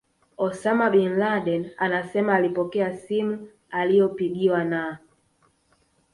Osama Bin Laden anasema alipokea simu aliyopigiwa na